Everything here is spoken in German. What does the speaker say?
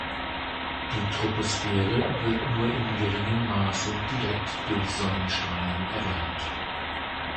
Die Troposphäre wird nur in geringem Maße direkt durch Sonnenstrahlen erwärmt.